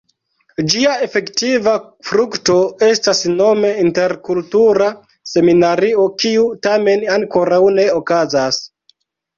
Ĝia efektiva frukto estas nome "Interkultura Seminario", kiu tamen ankoraŭ ne okazas.